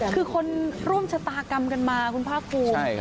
คือคนร่วมชะตากำกันมาคุณพ่าครู